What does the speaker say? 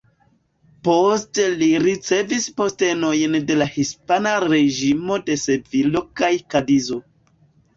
Poste li ricevis postenojn de la hispana reĝimo de Sevilo kaj Kadizo.